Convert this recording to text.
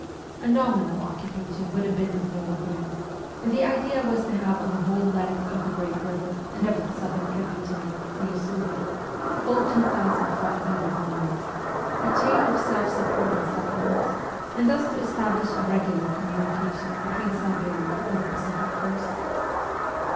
A nominal occupation would have been of no avail, and the idea was to have on the whole length of the great river and of its southern tributary, the Usuri full 2,500 miles a chain of self supporting settle ments, and thus to establish a regular communication between Siberia and the Pacific Coast.